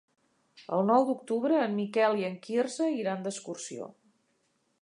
El nou d'octubre en Miquel i en Quirze iran d'excursió.